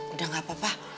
udah gak papa